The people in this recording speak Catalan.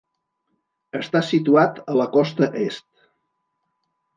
Està situat a la costa est.